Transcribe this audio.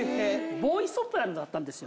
ボーイソプラノだったんですよ。